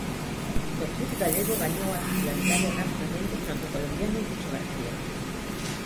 No club galego gañou a titularidade rapidamente fronte ao colombiano Lucho García.